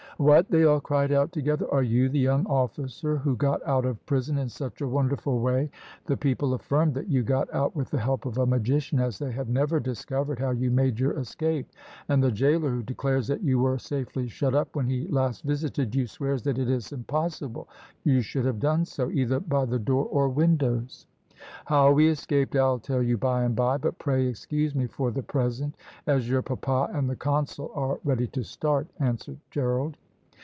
"What!" they all cried out together; "are you the young officer who got out of prison in such a wonderful way? The people affirmed that you got out with the help of a magician, as they have never discovered how you made your escape; and the gaoler, who declares that you were safely shut up when he last visited you, swears that it is impossible you should have done so, either by the door or windows." "How we escaped I'll tell you by and by, but pray excuse me for the present, as your papa and the consul are ready to start," answered Gerald.